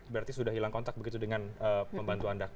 berarti sudah hilang kontak begitu dengan pembantu anda